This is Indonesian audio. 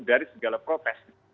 dari segala protes